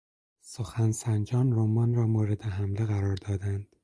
سخن سنجان رمان را مورد حمله قرار دادند.